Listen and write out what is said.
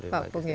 pak punggi ya